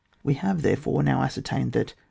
We have, therefore, now ascertained that^ 1.